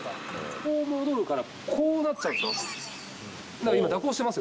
こう戻るから、こうなっちゃうんですよ。